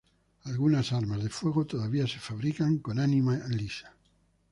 Algunas armas de fuego todavía se fabrican con ánima lisa.